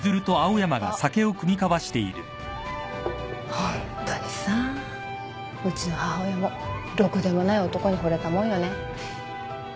ホントにさうちの母親もろくでもない男にほれたもんよね。